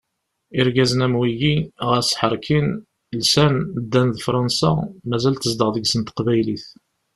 Irgazen am wigi, ɣas ḥerkin, lsan, ddan d Fransa, mazal tezdeɣ deg-sen teqbaylit.